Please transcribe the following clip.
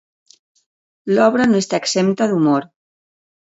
L'obra no està exempta d'humor.